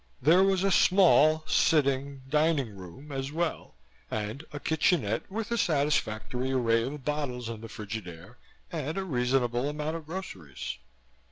There was a small sitting dining room as well, and a kitchenette with a satisfactory array of bottles in the Frigidaire and a reasonable amount of groceries.